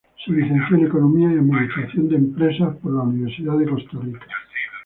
Se licenció en Economía y Administración de Empresas en la Universidad de Costa Rica.